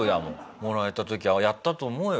もらえた時はやったと思うよ